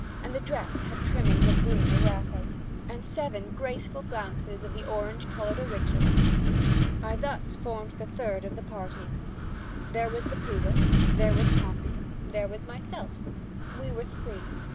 And the dress had trimmings of green agraffas, and seven graceful flounces of the orange colored auricula. I thus formed the third of the party. There was the poodle. There was Pompey. There was myself. We were three.